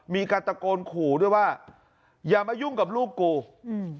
มีการตะโกนขู่ด้วยว่าอย่ามายุ่งกับลูกกูอืม